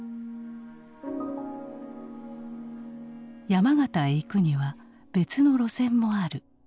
山形へ行くには別の路線もある。